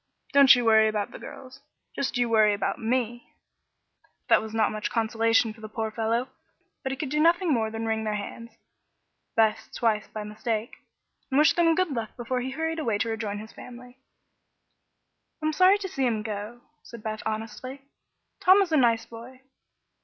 Don't you worry about the girls; just you worry about me." That was not much consolation for the poor fellow, but he could do nothing more than wring their hands Beth's twice, by mistake and wish them good luck before he hurried away to rejoin his family. "I'm sorry to see him go," said Beth, honestly. "Tom is a nice boy."